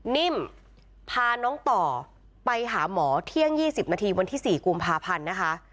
นิ่มพาน้องต่อไปหาหมอเที่ยง๒๐นาทีวันที่๔กุมภาพันธ์นะคะ